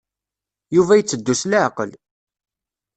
Yuba itteddu s leɛqel.